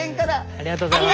ありがとうございます。